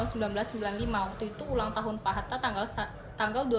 museum rumah kelahiran ini menyajikan banyak informasi tentang hatta